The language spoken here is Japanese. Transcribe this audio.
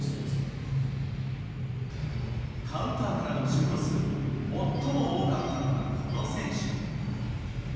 カウンターからのシュート数、最も多かったのがこの選手。